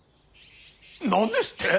何ですって！